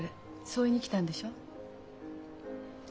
そう言いに来たんでしょ？